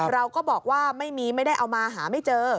เราก็บอกว่าไม่มีไม่ได้เอามาหาไม่เจอ